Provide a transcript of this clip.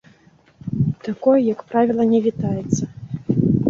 Такое, як правіла, не вітаецца.